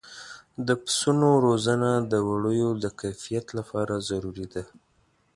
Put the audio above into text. د پسونو روزنه د وړیو د کیفیت لپاره ضروري ده.